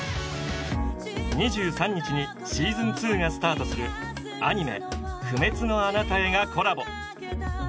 ２３日にシーズン２がスタートするアニメ「不滅のあなたへ」がコラボ！